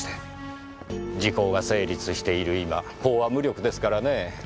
時効が成立している今法は無力ですからねぇ。